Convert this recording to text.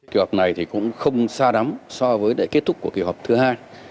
kỳ họp này cũng không xa đắm so với kết thúc của kỳ họp thứ hai